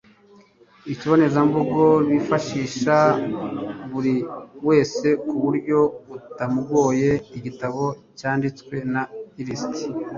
kibonezamvugo bifasha buri wese ku buryo butamugoye. igitabo cyanditswe na irst